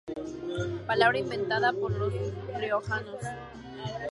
Palabra inventada por los riojanos